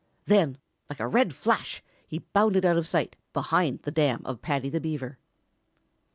Then like a red flash he bounded out of sight behind the dam of Paddy the Beaver.